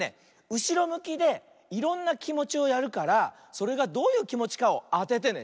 うしろむきでいろんなきもちをやるからそれがどういうきもちかをあててね。